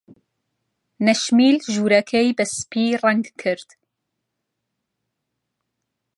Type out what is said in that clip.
نەشمیل ژوورەکەی بە سپی ڕەنگ کرد.